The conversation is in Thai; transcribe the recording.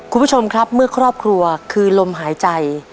คุณผู้ชมครับเมื่อครอบครัวคือลมหายใจ